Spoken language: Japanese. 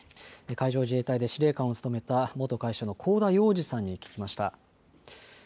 海上自衛隊で司令官を務めた元海将の香田洋二さんに聞きました。